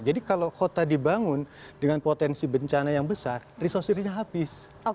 jadi kalau kota dibangun dengan potensi bencana yang besar resursinya habis